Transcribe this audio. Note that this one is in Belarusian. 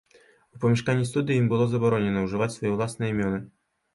У памяшканні студыі ім было забаронена ўжываць свае ўласныя імёны.